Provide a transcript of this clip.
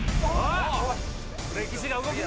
歴史が動くぜ。